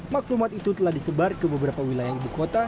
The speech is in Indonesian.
maklumat itu telah disebar ke beberapa wilayah ibu kota